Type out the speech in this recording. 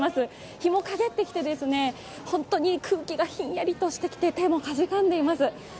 日も陰ってきて空気がひんやりとしてきて手もかじかんでいます。